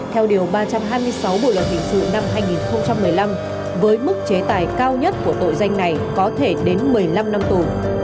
theo điều ba trăm hai mươi sáu bộ luật hình sự năm hai nghìn một mươi năm với mức chế tài cao nhất của tội danh này có thể đến một mươi năm năm tù